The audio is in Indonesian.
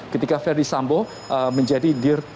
ketika ferdis sambo menjadi